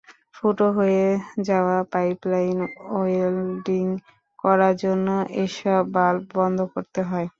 ফুটো হয়ে যাওয়া পাইপলাইন ওয়েল্ডিং করার জন্য এসব বাল্ব বন্ধ করতে হয়।